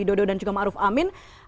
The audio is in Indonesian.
dodo dan juga ma'ruf amin